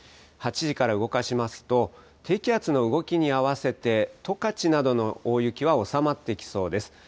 ８時から動かしますと、低気圧の動きに合わせて、十勝などの大雪は収まってきそうです。